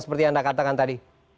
seperti anda katakan tadi